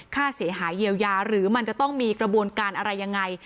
ค่าเสียหายเยียวยาหรือมันจะต้องมีกระบวนการอะไรยังไง